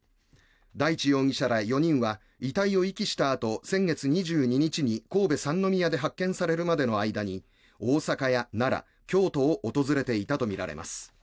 大地容疑者ら４人は遺体を遺棄したあと先月２２日に神戸・三宮で発見されるまでの間に大阪や奈良、京都などを訪れていたとみられます。